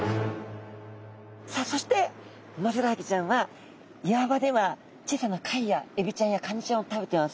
さあそしてウマヅラハギちゃんは岩場では小さな貝やエビちゃんやカニちゃんを食べてます。